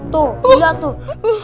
tuh liat tuh